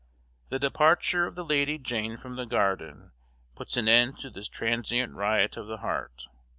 The departure of the Lady Jane from the garden puts an end to this transient riot of the heart.